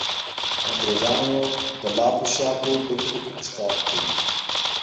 خو د انګریزانو له لاپو شاپو ډکو لیکونو شکایت کاوه.